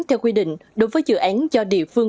theo quy định đối với dự án do địa phương